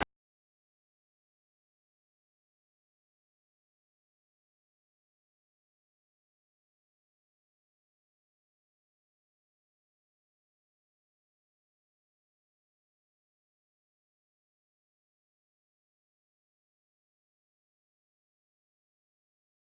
แต่จากเหตุการณ์นี้